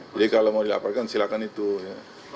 jadi kalau mau dilaporkan silahkan itu ya